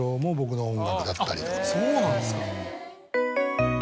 そうなんですか。